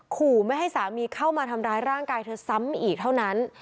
ขู่ไม่ให้สามีเข้ามาทำร้ายร่างกายเธอซ้ำอีกเท่านั้น